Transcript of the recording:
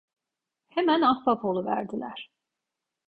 Hemen ahbap oluverdiler.